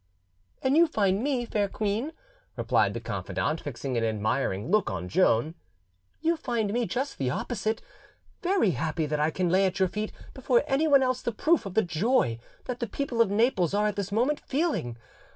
"And you find me, fair queen," replied the confidante, fixing an admiring look on Joan,—"you find me just the opposite, very happy that I can lay at your feet before anyone else the proof of the joy that the people of Naples are at this moment feeling.